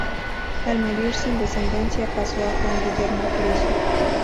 Al morir sin descendencia pasó a Juan Guillermo Friso.